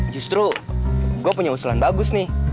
justru gue punya usulan bagus nih